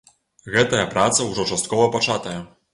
Гэтая праца ўжо часткова пачатая.